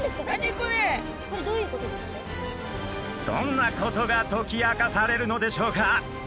どんなことが解き明かされるのでしょうか？